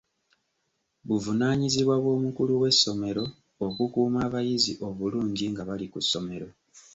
Buvunaanyizibwa bw'omukulu w'essomero okukuuma abayizi obulungi nga bali ku ssomero.